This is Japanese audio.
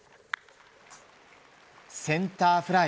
センターフライ。